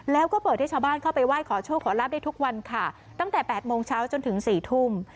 แล้วก็เปิดให้ชาวบ้านเข้าไปไหว้ขอโชคขอรับได้ทุกวันค่ะตั้งแต่๘โมงเช้าจนถึง๔ทุ่ม